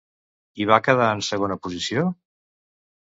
Hi va quedar en segona posició?